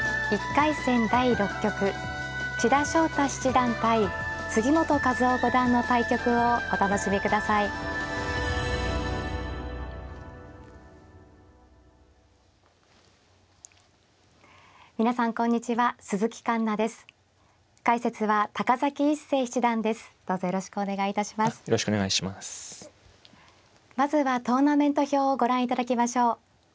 まずはトーナメント表をご覧いただきましょう。